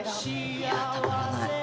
いやたまらない。